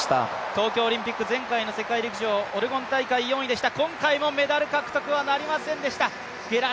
東京オリンピック前回の世界陸上、オレゴン大会４位でした。